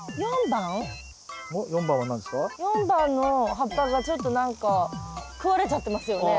４番の葉っぱがちょっと何か食われちゃってますよね。